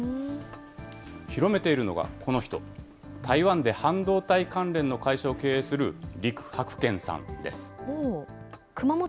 広めているのはこの人、台湾で半導体関連の会社を経営する陸伯けんさんです。